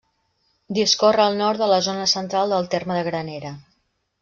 Discorre al nord de la zona central del terme de Granera.